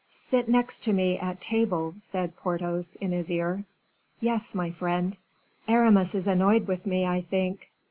"Sit next to me at table," said Porthos in his ear. "Yes, my friend." "Aramis is annoyed with me, I think."